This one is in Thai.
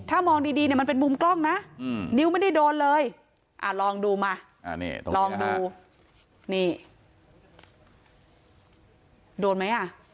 อ่ะลองดูมาลองดูนี่โดดไหมอ่ะ